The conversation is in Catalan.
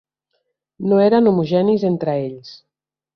No eren homogenis entre ells.